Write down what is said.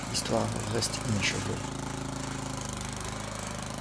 L'histoire reste inachevée.